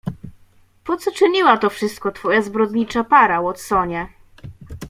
"Po co czyniła to wszystko twoja zbrodnicza para, Watsonie?"